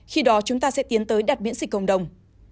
khi đó chúng ta sẽ tiến tới đặt miễn dịch cộng đồng